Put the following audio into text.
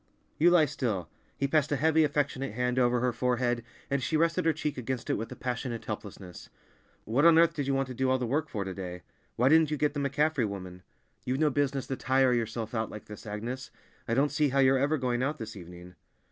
"You lie still." He passed a heavy, affectionate hand over her forehead, and she rested her cheek against it with a passionate helplessness. "What on earth did you want to do all the work for, to day? Why didn't you get the McCaffrey woman? You've no business to tire yourself out like this, Agnes. I don't see how you're ever going out this evening!"